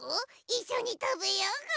いっしょにたべようぐ。